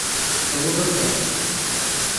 ئەوە بەسە.